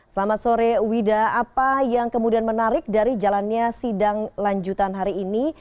selamat sore wida apa yang kemudian menarik dari jalannya sidang lanjutan hari ini